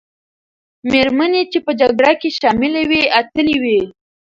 مېرمنې چې په جګړه کې شاملي وې، اتلې وې.